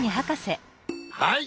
はい。